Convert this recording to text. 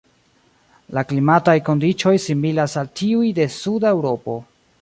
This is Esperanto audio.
La klimataj kondiĉoj similas al tiuj de suda Eŭropo.